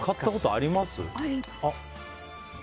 あります。